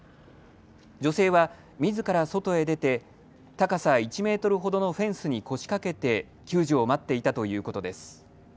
女性はみずから外へ出て高さ１メートルほどのフェンスに腰掛けて救助を待っていたということです。